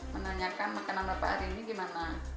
menanyakan makanan bapak hari ini gimana